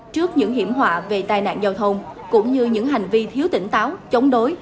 trước những hiểm họa về tai nạn giao thông cũng như những hành vi thiếu tỉnh táo chống đối